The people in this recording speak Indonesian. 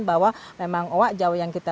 bahwa memang owa jawa yang kita